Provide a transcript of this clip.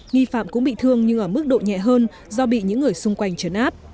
nghi phạm cũng bị thương nhưng ở mức độ nhẹ hơn do bị những người xung quanh trấn áp